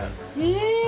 え！